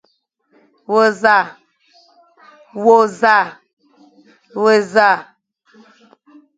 We nẑa ?